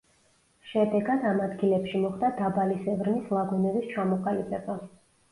შედეგად ამ ადგილებში მოხდა დაბალი სიღრმის ლაგუნების ჩამოყალიბება.